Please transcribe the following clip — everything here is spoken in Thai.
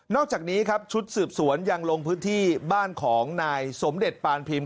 อกจากนี้ครับชุดสืบสวนยังลงพื้นที่บ้านของนายสมเด็จปานพิมพ